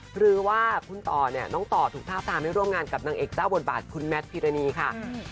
หรือว่าคุณต่อเนี่ยน้องต่อถูกทาบทามให้ร่วมงานกับนางเอกเจ้าบทบาทคุณแมทพิรณีค่ะ